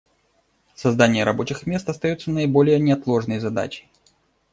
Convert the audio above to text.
Создание рабочих мест остается наиболее неотложной задачей.